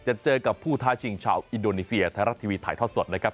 จะเจอกับผู้ท้าชิงชาวอินโดนีเซียไทยรัฐทีวีถ่ายทอดสดนะครับ